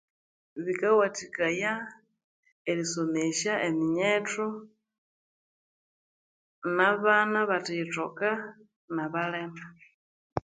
Kikawathikaya erisomesya eminyethu nabana abethiyithoka nabalhema